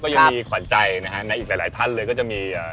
ยังมีขวัญใจนะฮะในอีกหลายท่านเลยก็จะมี